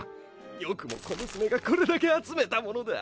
「よくも小娘がこれだけ集めたものだ」